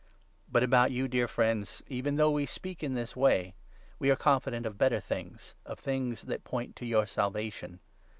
But about you, dear friends, even though we speak in this 9 way, we are confident of better things — of things that point to your Salvation.